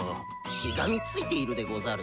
しがみついているでござる。